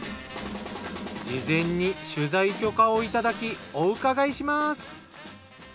事前に取材許可をいただきお伺いします。